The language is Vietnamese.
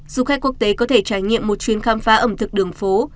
du khách quốc tế có thể trải nghiệm một chuyến khám phá ẩm thực đường phố